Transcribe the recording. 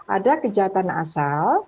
ada kejahatan asal